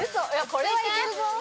これはいけるぞ。